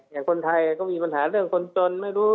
อย่างคนไทยก็มีปัญหาเรื่องคนจน